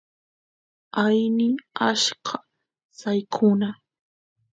aini achka saykuna